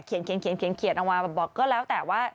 เขียนออกมาบอกก็แล้วแต่ว่า